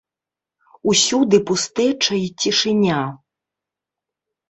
Усюды пустэча і цішыня.